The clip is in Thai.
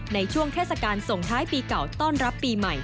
ในช่วงเทศกาลส่งท้ายปีเก่าต้อนรับปีใหม่